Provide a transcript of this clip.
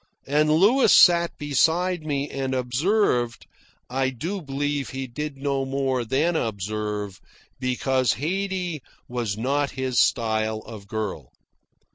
And Louis sat beside me and observed I do believe he did no more than observe, because Haydee was not his style of girl.